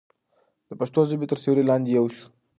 د پښتو ژبې تر سیوري لاندې یو شو.